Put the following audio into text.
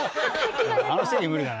あの席無理だな。